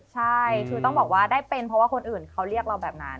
ใช่คือต้องบอกว่าได้เป็นเพราะว่าคนอื่นเขาเรียกเราแบบนั้น